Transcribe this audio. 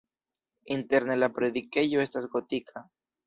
Interne la predikejo estas gotika.